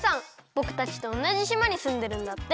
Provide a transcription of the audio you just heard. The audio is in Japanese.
ぼくたちとおなじしまにすんでるんだって。